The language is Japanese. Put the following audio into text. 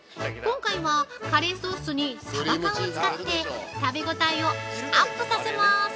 今回はカレーソースに、鯖缶を使って食べごたえをアップさせまーす。